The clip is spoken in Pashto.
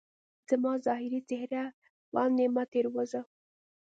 زما ظاهري څهره باندي مه تیروځه